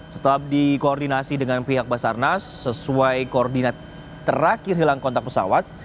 setelah dikoordinasi dengan pihak basarnas sesuai koordinat terakhir hilang kontak pesawat